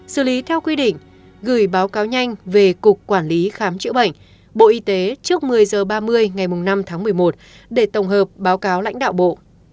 xử lý theo quy định gửi báo cáo nhanh về cục quản lý khám chữa bệnh bộ y tế trước một mươi h ba mươi ngày năm tháng một mươi một để tổng hợp báo cáo lãnh đạo bộ